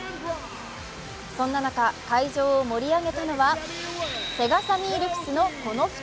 そんな中、会場を盛り上げたのはセガサミー・ルクスのこの２人。